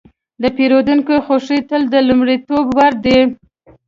د پیرودونکي خوښي تل د لومړیتوب وړ ده.